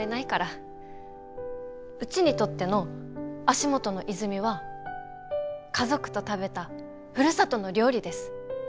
うちにとっての足元の泉は家族と食べたふるさとの料理です。